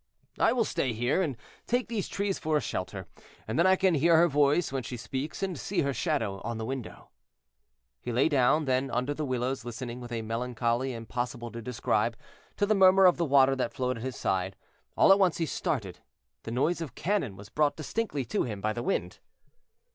"I will stay here, and take these trees for a shelter, and then I can hear her voice when she speaks, and see her shadow on the window." He lay down, then, under the willows, listening, with a melancholy impossible to describe, to the murmur of the water that flowed at his side. All at once he started; the noise of cannon was brought distinctly to him by the wind.